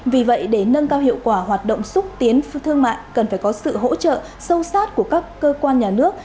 vì vậy để nâng cao hiệu quả hoạt động xúc tiến thương mại cần phải có sự hỗ trợ sâu sát của các cơ quan nhà nước